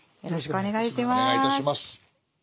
よろしくお願いします。